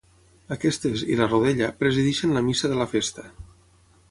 Aquestes, i la rodella, presideixen la Missa de la festa.